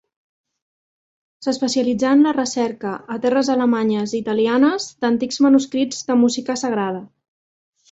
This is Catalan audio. S'especialitzà en la recerca, a terres alemanyes i italianes, d'antics manuscrits de música sagrada.